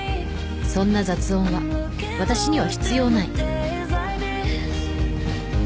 ［そんな雑音は私には必要ない。］